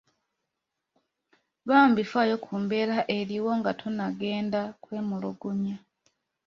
Bambi faayo ku mbeera eriwo nga tonnagenda kwemulugunya.